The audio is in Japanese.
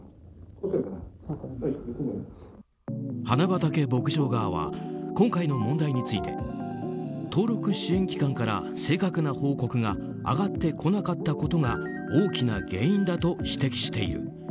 花畑牧場側は今回の問題について登録支援機関から正確な報告が上がってこなかったことが大きな原因だと指摘している。